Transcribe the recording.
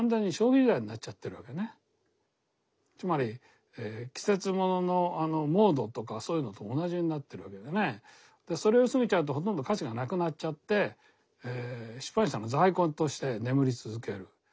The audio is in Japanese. つまり季節物のモードとかそういうのと同じになっているわけでねそれを過ぎちゃうとほとんど価値がなくなっちゃって出版社の在庫として眠り続ける。